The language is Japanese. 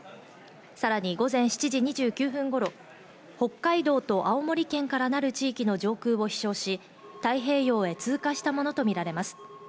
さらに午前７時２９分頃、北海道と青森県からなる地域の上空を飛翔し、太平洋へ通過したものとみられます。